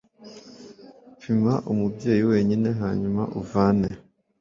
pima umubyeyi wenyine hanyuma uvane